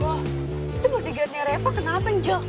wah itu berdigatnya reva kenapa angel